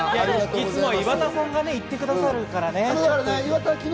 いつも岩田さんが言ってくださるからね。